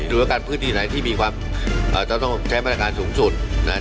หรือการพื้นที่ไหนที่มีความจะต้องใช้บรรยากาศสูงสุดนะ